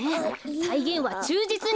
さいげんはちゅうじつに！